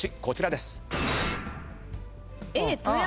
こちらです。